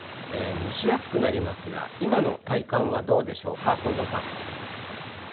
蒸し暑くなりますが、今の体感はどうでしょうか、近藤さん。